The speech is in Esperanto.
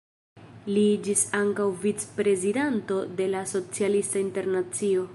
Li iĝis ankaŭ vicprezidanto de la Socialista Internacio.